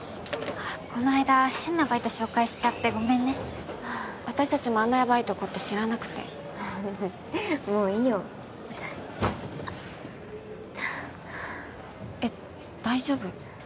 このあいだ変なバイト紹介しちゃってごめんね私たちもあんなやばいとこって知らなくてもういいよあいたえ大丈夫？